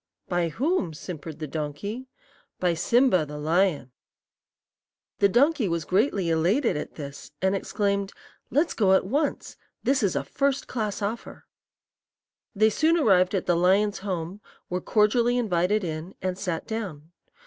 "'By whom?' simpered the donkey. "'By Simba, the lion.' "The donkey was greatly elated at this, and exclaimed: 'Let's go at once. This is a first class offer.' "They soon arrived at the lion's home, were cordially invited in, and sat down.